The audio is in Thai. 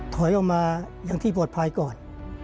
ถอยออกมาอย่างที่ปลอดภัยก่อน